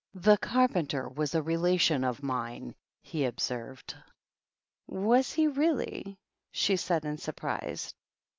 " The Carpenter was a relation of mine," he observed. "Was he? Really?" she asked, in surprise. THE TWEEDLES.